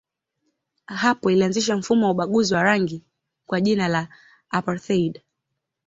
Hapo ilianzisha mfumo wa ubaguzi wa rangi kwa jina la apartheid.